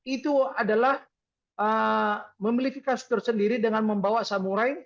itu adalah memiliki kasus tersendiri dengan membawa samurai